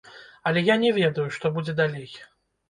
Але я не ведаю, што будзе далей.